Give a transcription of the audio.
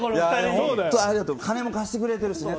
金も貸してくれてるしね。